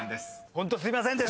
ホントすいませんでした！